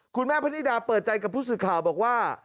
คุณแม่พนิดาเปิดใจกับผู้สื่อข่าวบอกว่า